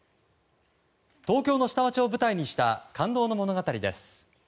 東京の下町を舞台にした感動の物語です。